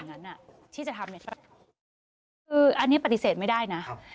คืออันนี้ปฏิเสธไม่ได้นะ